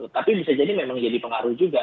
tapi bisa jadi memang jadi pengaruh juga